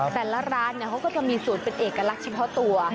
แต่ละร้านเขาก็จะมีสูตรเป็นเอกลักษณ์เฉพาะตัว